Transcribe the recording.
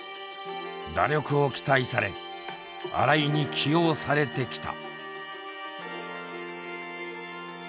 打力を期待され新井に起用されてきた。